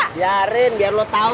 biarin biar lu tau